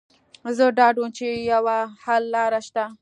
زه ډاډه وم چې يوه حللاره شته.